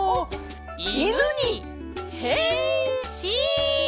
いぬにへんしん！